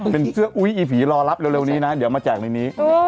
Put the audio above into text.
เป็นเสื้ออุ๊ยอีผีรอรับเร็วนี้นะเดี๋ยวมาแจกในนี้